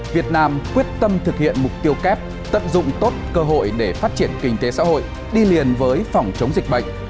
việt nam quyết tâm thực hiện mục tiêu kép tận dụng tốt cơ hội để phát triển kinh tế xã hội đi liền với phòng chống dịch bệnh